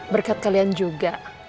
berkat kalian juga